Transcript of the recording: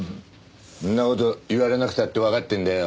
んな事言われなくたってわかってんだよ。